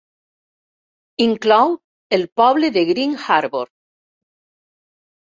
Inclou el poble de Green Harbor.